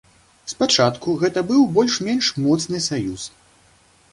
Спачатку гэта быў больш-менш моцны саюз.